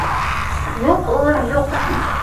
- Юҡ, улым, юҡ.